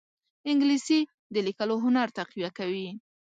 انګلیسي د لیکلو هنر تقویه کوي